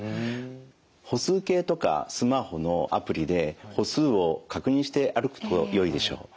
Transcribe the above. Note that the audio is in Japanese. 歩数計とかスマホのアプリで歩数を確認して歩くとよいでしょう。